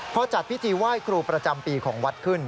พอจัดพิธีไหว้ครูประจำปีของวัดขึ้น